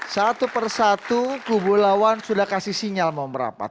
satu persatu kubu lawan sudah kasih sinyal mau merapat